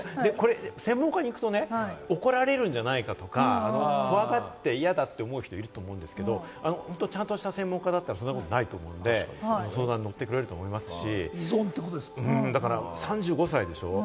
専門家に行くと怒られるんじゃないかとか、怖がって嫌だって思う人多いと思うんですけれども、ちゃんとした専門家だったらそんなことないと思うんで、相談に乗ってくれると思いますし、３５歳でしょ？